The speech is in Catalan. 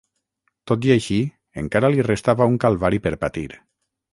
Tot i així, encara li restava un calvari per patir.